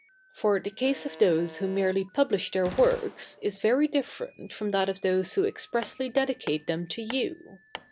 For the case of those who merely publish their works is very different from that of those who expressly dedicate them to you.